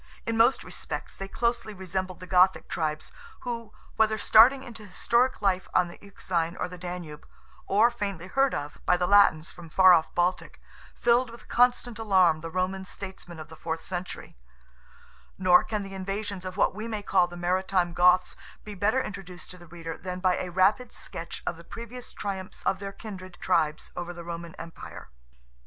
In most respects they closely resembled the Gothic tribes, who, whether starting into historic life on the Euxine or the Danube, or faintly heard of by the Latins from the far off Baltic, filled with constant alarm the Roman statesmen of the fourth century; nor can the invasions of what we may call the maritime Goths be better introduced to the reader than by a rapid sketch of the previous triumphs of their kindred tribes over the Roman Empire.